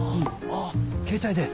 あっ携帯で。